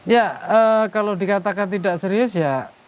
ya kalau dikatakan tidak serius ya